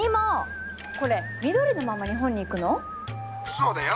そうだよ。